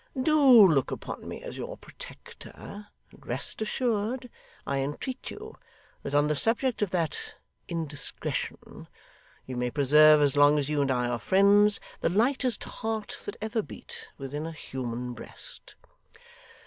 Do look upon me as your protector, and rest assured, I entreat you, that on the subject of that indiscretion, you may preserve, as long as you and I are friends, the lightest heart that ever beat within a human breast.